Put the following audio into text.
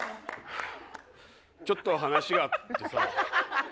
ちょっと話があってさ。